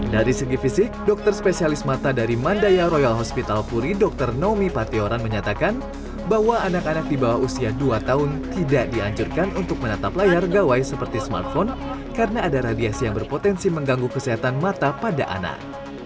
dari segi fisik dokter spesialis mata dari mandaya royal hospital puri dr nomi patioran menyatakan bahwa anak anak di bawah usia dua tahun tidak dianjurkan untuk menatap layar gawai seperti smartphone karena ada radiasi yang berpotensi mengganggu kesehatan mata pada anak